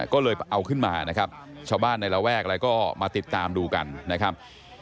ก็เลยเอาขึ้นมานะครับชาวบ้านในระแวกอะไรก็มาติดตามดูกันนะครับ